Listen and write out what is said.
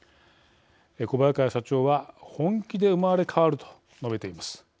小早川社長は本気で生まれ変わると述べています。